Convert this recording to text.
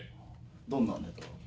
どんなネタ？